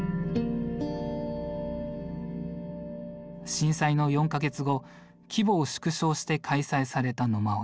震災の４か月後規模を縮小して開催された野馬追。